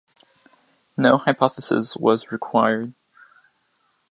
No hypothesis was required.